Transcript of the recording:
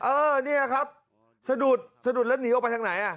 เออเนี่ยครับสะดุดสะดุดแล้วหนีออกไปทางไหนอ่ะ